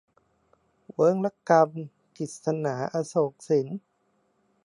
เวิ้งระกำ - กฤษณา อโศกสิน